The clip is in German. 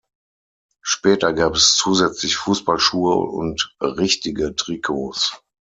Später gab es zusätzlich Fußballschuhe und richtige Trikots.